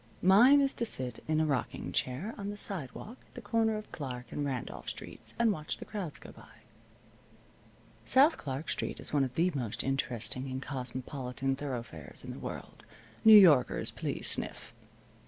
Mine is to sit in a rocking chair on the sidewalk at the corner of Clark and Randolph Streets, and watch the crowds go by. South Clark Street is one of the most interesting and cosmopolitan thoroughfares in the world (New Yorkers please sniff).